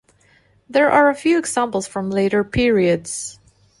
There are a few examples from later periods.